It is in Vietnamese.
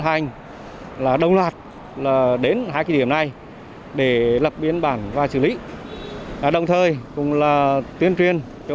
hành đông loạt đến hai cái điểm này để lập biến bản và xử lý đồng thời cũng là tuyên truyền cho